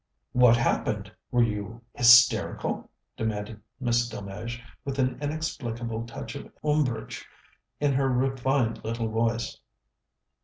"What happened? Were you hysterical?" demanded Miss Delmege, with an inexplicable touch of umbrage in her refined little voice.